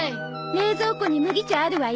冷蔵庫に麦茶あるわよ。